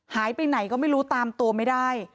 หายไปไหนก็ไม่รู้ตามตัวไม่ได้